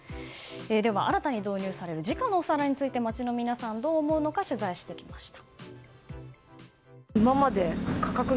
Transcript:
では新たに導入される時価のお皿について街の皆さんどう思うのか取材してきました。